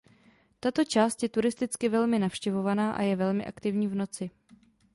Tato část je turisticky velmi navštěvovaná a je velmi aktivní v noci.